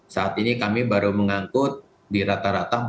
saat ini kami baru mengangkut di rata rata empat puluh